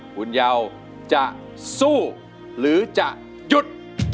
คุณเยาวจะสู้หรือจะหยุด